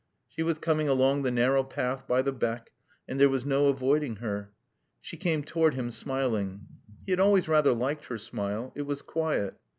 She was coming along the narrow path by the beck and there was no avoiding her. She came toward him smiling. He had always rather liked her smile. It was quiet.